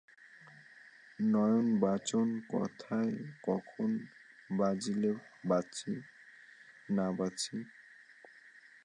নয়ন বচন কোথায় কখন বাজিলে বাঁচি না বাঁচি।